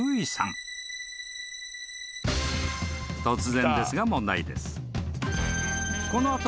［突然ですが問題です］